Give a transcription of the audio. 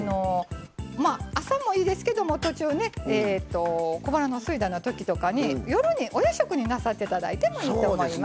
まあ朝もいいですけども途中小腹のすいたような時とかに夜にお夜食になさって頂いてもいいと思います。